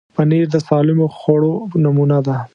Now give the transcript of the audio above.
پنېر د سالمو خوړو نمونه ده.